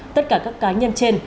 tất cả các cá nhân trên